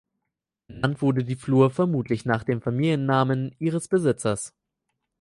Benannt wurde die Flur vermutlich nach dem Familiennamen ihres Besitzers.